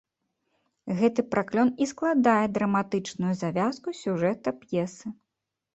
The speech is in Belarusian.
Гэты праклён і складае драматычную завязку сюжэта п'есы.